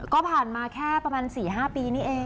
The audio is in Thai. ก็ผ่านมาแค่ประมาณ๔๕ปีนี่เอง